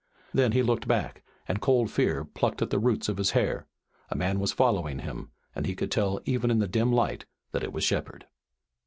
Then he looked back, and cold fear plucked at the roots of his hair. A man was following him, and he could tell even in the dim light that it was Shepard.